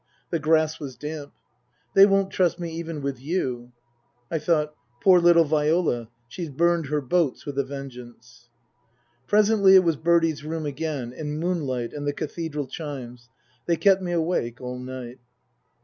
The grass was damp. " They won't trust me even with you." I thought :" Poor little Viola she's burned her boats with a vengeance." Presently it was Bertie's room again, and moonlight, and the Cathedral chimes. They kept me awake all night.